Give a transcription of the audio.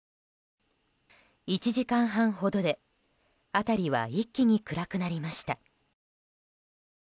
１時間半ほどで辺りは一気に暗くなりました。